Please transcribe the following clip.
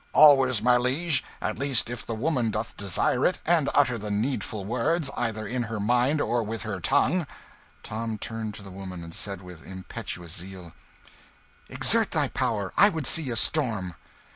"Always, my liege at least if the woman desire it, and utter the needful words, either in her mind or with her tongue." Tom turned to the woman, and said with impetuous zeal "Exert thy power I would see a storm!"